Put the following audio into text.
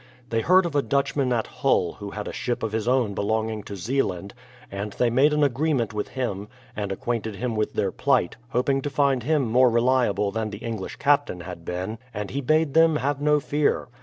They heard of a Dutchman at Hull who had a ship of his own belonging to Zealand, and they made an agree ment with him, and acquainted him with their plight, hoping to find him more reliable than the English captain had been ; and he bade them have no fear.